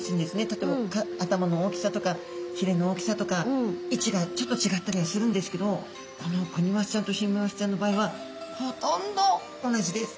例えば頭の大きさとかひれの大きさとか位置がちょっと違ったりはするんですけどこのクニマスちゃんとヒメマスちゃんの場合はほとんど同じです。